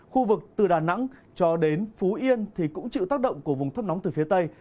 khu vực từ đà nẵng cho đến phú yên thì cũng chịu tác động của vùng thấp nóng từ phía tây